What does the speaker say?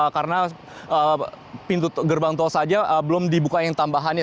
karena pintu gerbang tol saja belum dibuka yang tambahannya